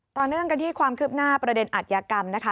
ต่อเนื่องกันที่ความคืบหน้าประเด็นอัธยากรรมนะคะ